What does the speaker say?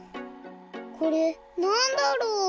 これなんだろう？